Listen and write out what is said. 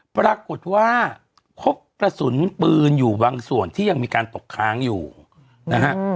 ปรากฏว่าพบกระสุนปืนอยู่บางส่วนที่ยังมีการตกค้างอยู่นะฮะ